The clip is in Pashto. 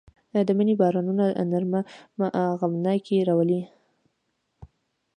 د مني بارانونه نرمه غمناکي راولي